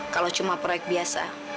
kalau cuma proyek biasa